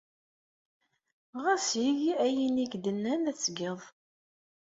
Ɣas eg ayen ay ak-d-nnan ad t-tged.